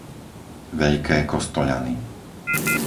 Veľké Kostoľany